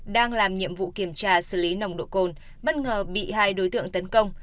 đang làm nhiệm vụ kiểm tra xử lý nồng độ cồn bất ngờ bị hai đối tượng tấn công